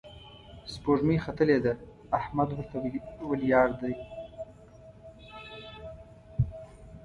سپوږمۍ ختلې ده، احمد ورته ولياړ دی